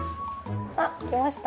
あっ来ました。